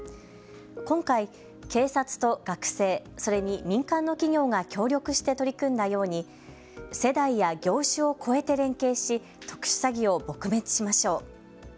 今回、警察と学生、それに民間の企業が協力して取り組んだように世代や業種を超えて連携し特殊詐欺を撲滅しましょう。